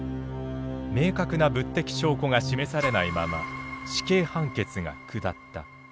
明確な物的証拠が示されないまま死刑判決が下った。